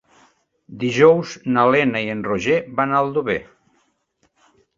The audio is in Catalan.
Dijous na Lena i en Roger van a Aldover.